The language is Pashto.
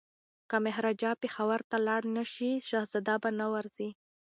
که مهاراجا پېښور ته لاړ نه شي شهزاده به نه ورځي.